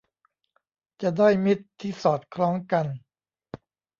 จะได้มิตรที่สอดคล้องกัน